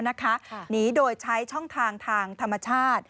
หนีโดยใช้ช่องทางทางธรรมชาติ